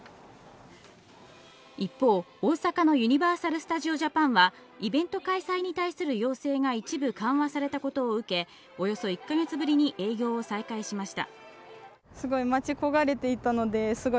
一方、大阪のユニバーサル・スタジオ・ジャパンはイベント開催に対する要請が一部緩和されたことを受け、およそ１か月ぶりに営業を再開しました。